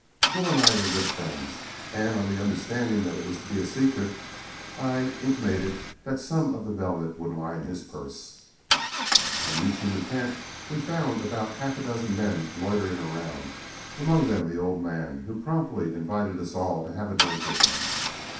Bull and I were good friends, and on the understanding that it was to be a secret, I intimated that some of the velvet would line his purse. On reaching the tent, we found about half a dozen men loitering around, among them the old man, who promptly invited us all to have a drink with him.